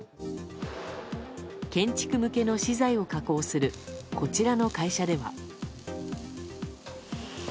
建築向けの資材を加工するこちらの会社では。